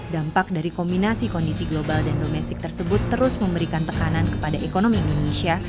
dampak dari kombinasi kondisi global dan domestik tersebut terus memberikan tekanan kepada ekonomi indonesia